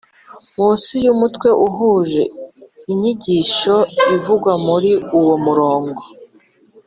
Munsi y umutwe uhuje n inyigisho ivugwa muri uwo murongo